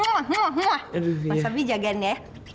mas abi jagain ya